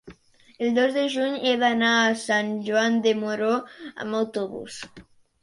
El dos de juny he d'anar a Sant Joan de Moró amb autobús.